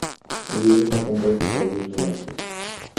El libro está compuesto por diez relatos.